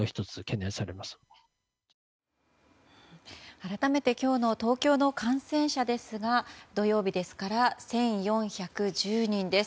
改めて今日の東京の感染者ですが土曜日、１４１０人です。